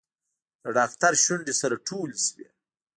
د ډاکتر شونډې سره ټولې شوې.